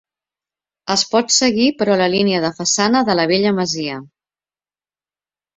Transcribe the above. Es pot seguir però la línia de façana de la vella masia.